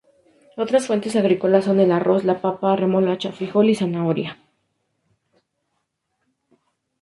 Otras fuentes agrícolas son el arroz, la papa, remolacha, frijol y zanahoria.